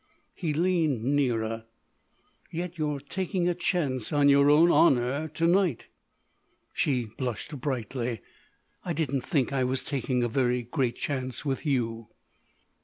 He leaned nearer: "Yet you're taking a chance on your own honour to night." She blushed brightly: "I didn't think I was taking a very great chance with you."